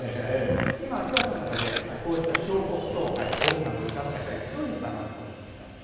今、秋川さんの中でこうした彫刻と音楽歌の世界ってどういうふうにバランスとっていますか？